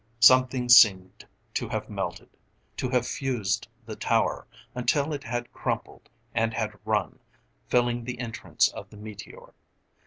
Something seemed to have melted, to have fused the tower, until it had crumpled, and had run, filling the entrance of the meteor.